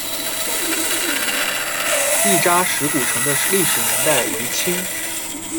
亦扎石古城的历史年代为清。